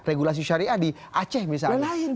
regulasi syariah di aceh misalnya